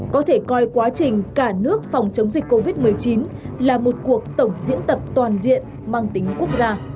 có thể coi quá trình cả nước phòng chống dịch covid một mươi chín là một cuộc tổng diễn tập toàn diện mang tính quốc gia